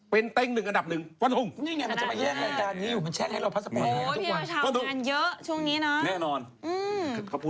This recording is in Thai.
เป็นเต้ง๑อันดับ๑ฟันทุ่ง